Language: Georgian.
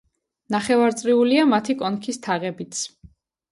ნახევარწრიულია მათი კონქის თაღებიც.